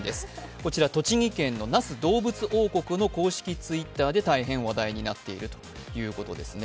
こちら、栃木県の那須どうぶつ王国の公式Ｔｗｉｔｔｅｒで大変話題になっているということですね。